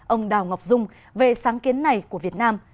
ông đào ngọc dung về sáng kiến này của việt nam